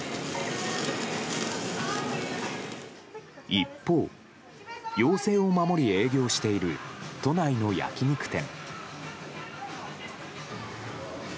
一方、要請を守り営業している都内の焼き肉店。